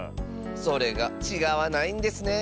それがちがわないんですね。